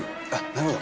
なるほど。